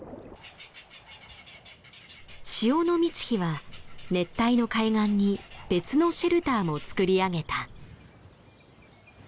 潮の満ち干は熱帯の海岸に別のシェルターもつくり上げた。